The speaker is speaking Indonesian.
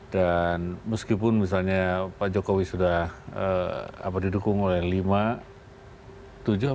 dan meskipun misalnya pak jokowi sudah didukung oleh lima tujuh apa lima ya